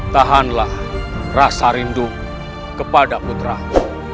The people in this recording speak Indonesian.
tahanlah rasa rindu kepada putramu